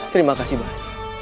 terima kasih banyak